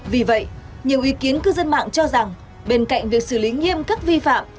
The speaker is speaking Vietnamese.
vì vậy nhiều ý kiến cư dân mạng cho rằng bên cạnh việc xử lý nghiêm các vi phạm